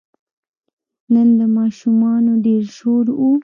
نن د ماشومانو ډېر شور و.